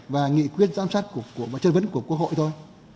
và nghị quyết giám sát chất vấn của quốc hội thôi